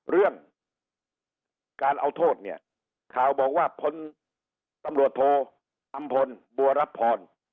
เรื่องการเอาโทษเนี่ยข่าวบอกว่าพลตำรวจโทอำพลบัวรับพร